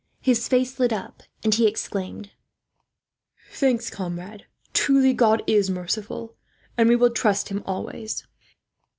His face lit up, and he exclaimed: "Thanks, comrade. Truly God is merciful, and we will trust him always."